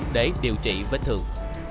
để điều trị vết thương